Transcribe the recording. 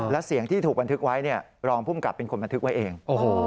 และเสียงที่ถูกบันทึกไว้รองภูมิกับเป็นคนบันทึกไว้เอง